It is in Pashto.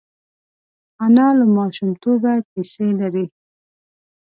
انا له ماشومتوبه کیسې لري